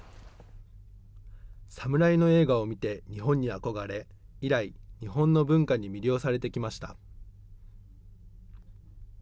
侍の映画を見て日本に憧れ、以来、日本の文化に魅了されてきました。